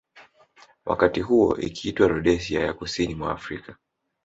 Wakati huo ikiitwa Rhodesia ya kusini mwa Afrika